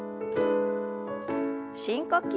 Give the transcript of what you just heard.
深呼吸。